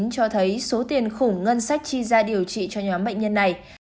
cho thấy số tiền khủng ngân sách chi ra điều trị cho nhóm bệnh nhân này